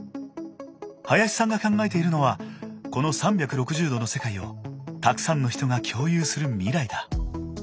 林さんが考えているのはこの３６０度の世界をたくさんの人が共有する未来だ。